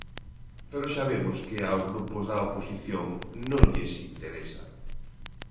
Pero xa vemos que aos grupos da oposición non lles interesa.